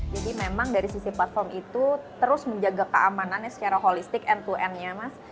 jadi memang dari sisi platform itu terus menjaga keamanannya secara holistik end to end nya mas